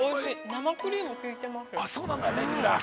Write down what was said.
生クリーム、きいてますね。